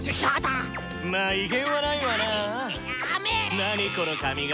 何この髪型？